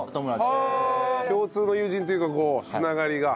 共通の友人っていうかこう繋がりが？